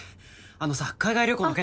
あのさ海外旅行の件。